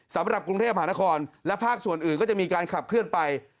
สำหรับกรุงเทพหานครและภาคส่วนอื่นก็จะมีการขับเคลื่อนไป